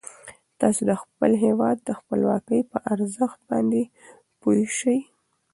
تاسو د خپل هیواد د خپلواکۍ په ارزښت باندې پوه شئ.